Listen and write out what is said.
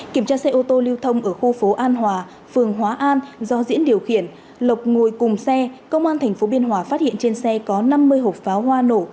kiểm tra xe ô tô lưu thông ở khu phố an hòa phường hóa an do diễn điều khiển lộc ngồi cùng xe công an tp biên hòa phát hiện trên xe có năm mươi hộp pháo hoa nổ